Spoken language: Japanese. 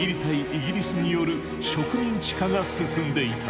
イギリスによる植民地化が進んでいた。